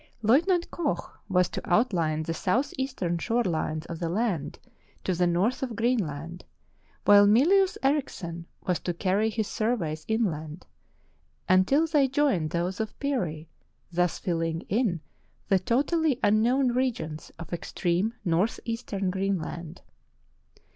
Lieutenant Koch was to outline the south eastern shore lines of the land to the north of Green land, while Mylius Erichsen was to carry his surveys inland until they joined those of Peary, thus filling in 340 350 True Tales of Arctic Heroism the totally unknown regions of extreme northeastern Greenland.